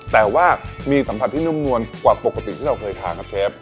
แต่ว่ามีสัมผัสที่นุ่มนวลกว่าปกติที่เราเคยทานครับเชฟ